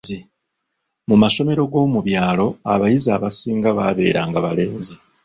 Mu masomero g’omu byalo abayizi abasinga baabeeranga balenzi.